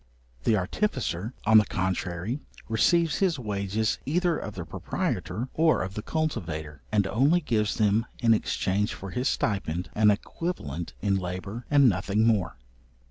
The artificer, on the contrary, receives his wages either of the proprietor or of the cultivator, and only gives them in exchange for his stipend, an equivalent in labour, and nothing more.